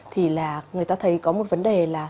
thì là người ta thấy có một vấn đề là